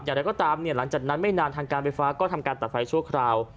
อย่างไรก็ตามหลังจากนั้นไม่นานทางการไฟฟ้าก็ทำการตัดไฟชั่วคราว